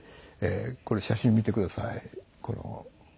これ写真見てください。